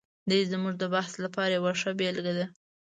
دی زموږ د بحث لپاره یوه ښه بېلګه ده.